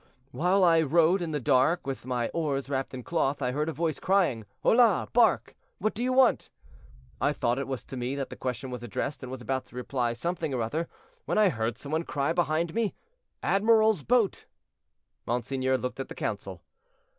"While I rowed in the dark with my oars wrapped in cloth, I heard a voice crying, 'Hola! bark, what do you want?' I thought it was to me that the question was addressed, and was about to reply something or other, when I heard some one cry behind me, 'Admiral's boat.'" Monseigneur looked at the council.